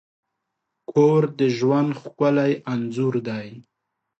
کور د ژوند ښکلی انځور دی.